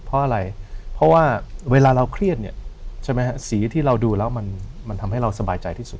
เพราะอะไรเพราะว่าเวลาเราเครียดเนี่ยใช่ไหมฮะสีที่เราดูแล้วมันทำให้เราสบายใจที่สุด